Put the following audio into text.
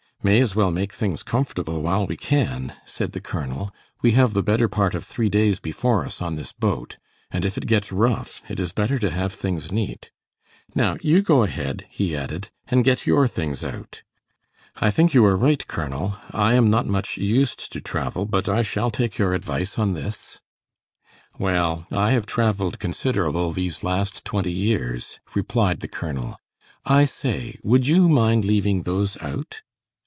"May as well make things comfortable while we can," said the colonel, "we have the better part of three days before us on this boat, and if it gets rough, it is better to have things neat. Now you go ahead," he added, "and get your things out." "I think you are right, Colonel. I am not much used to travel, but I shall take your advice on this." "Well, I have traveled considerable these last twenty years," replied the colonel. "I say, would you mind leaving those out?"